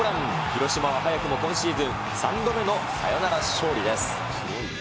広島は早くも今シーズン３度目のサヨナラ勝利です。